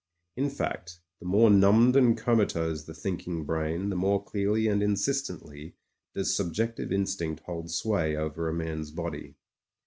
In fact, the more numbed and comatose the thinking brain, the more clearly and insistently does subjective instinct hold sway over a man's body.